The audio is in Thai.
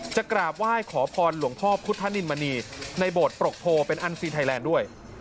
กราบไหว้ขอพรหลวงพ่อพุทธนินมณีในโบสถปรกโพเป็นอันซีนไทยแลนด์ด้วย